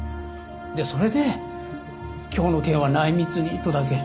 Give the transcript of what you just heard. それで「今日の件は内密に」とだけ。